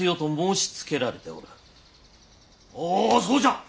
おおそうじゃ！